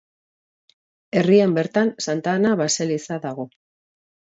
Herrian bertan Santa Ana baseliza dago.